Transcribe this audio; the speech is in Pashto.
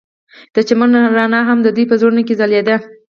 د چمن رڼا هم د دوی په زړونو کې ځلېده.